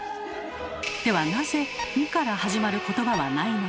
ではなぜ「ん」から始まることばはないのか。